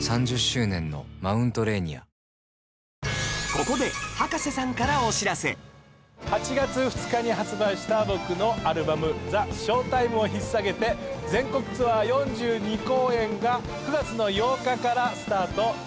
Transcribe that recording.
ここで８月２日に発売した僕のアルバム『ＴＨＥＳＨＯＷＴＩＭＥ』を引っ提げて全国ツアー４２公演が９月の８日からスタート致します。